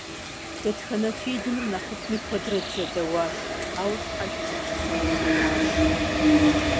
Дэтхэнэ фильмыр нэхъыфӀми куэдрэ дызэдэуащ, ауэ щхьэж и гупсысэм къытенащ.